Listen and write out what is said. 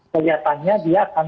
keliatannya dia akan